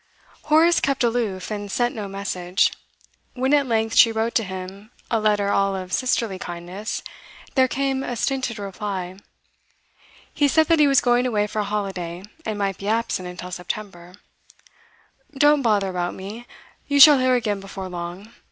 Horace kept aloof and sent no message. When at length she wrote to him a letter all of sisterly kindness, there came a stinted reply. He said that he was going away for a holiday, and might be absent until September. 'Don't bother about me. You shall hear again before long.